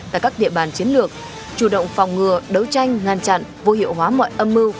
tại các địa bàn chiến lược chủ động phòng ngừa đấu tranh ngăn chặn vô hiệu hóa mọi âm mưu